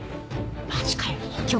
マジかよ。